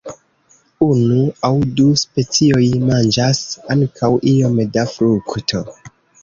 Unu aŭ du specioj manĝas ankaŭ iom da frukto.